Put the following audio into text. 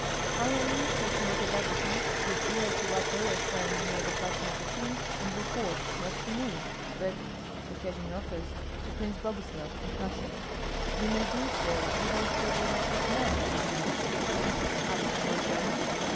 Finally, take note of everything, give ear to what they are saying near the person of the king, and report, not to me, but, if occasion offers, to Prince Boguslav in Prussia. You may do so even through the elector's men, should you meet them. Perhaps you know German?"